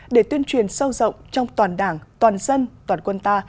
để tuyên truyền sâu rộng trong toàn đảng toàn dân toàn quân ta